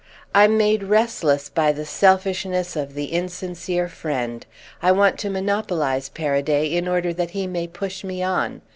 I'm made restless by the selfishness of the insincere friend—I want to monopolise Paraday in order that he may push me on.